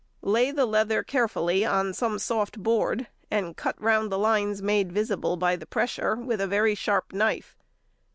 Lay the leather carefully on some soft board, and cut round the lines made visible by the pressure with a very sharp knife.